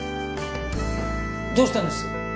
どうしたんです？